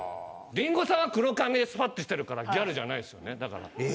リンゴさんは黒髪でスパっとしてるからギャルじゃないっすよねだから。え！？